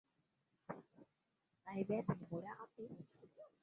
Uchumi wa buluu unafungamanisha kwa pamoja na sekta mbalimbali